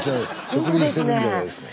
「植林してるんじゃないですか」。